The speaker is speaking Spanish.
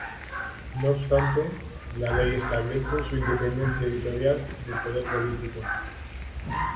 No obstante, la Ley establece su independencia editorial del poder político.